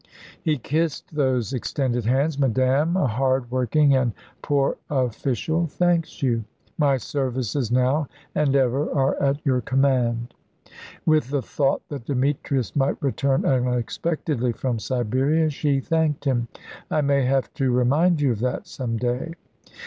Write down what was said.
He kissed those extended hands. "Madame, a hard working and poor official thanks you. My services now and ever are at your command." With the thought that Demetrius might return unexpectedly from Siberia, she thanked him. "I may have to remind you of that some day."